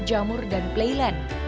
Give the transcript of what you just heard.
jamur dan playland